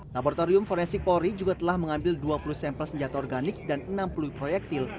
laboratorium forensik polri juga telah mengambil dua puluh sampel senjata organik dan enam puluh proyektil